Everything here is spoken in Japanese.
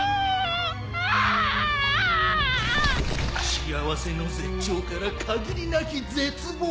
幸せの絶頂から限りなき絶望。